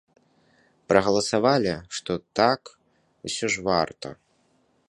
Прагаласавалі, што так, усё ж варта.